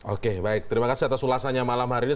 oke baik terima kasih atas ulasannya malam hari ini